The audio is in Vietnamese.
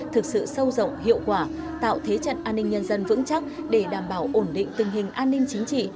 thực sự sâu rộng hiệu quả tạo thế trận an ninh nhân dân vững chắc để đảm bảo ổn định tình hình an ninh chính trị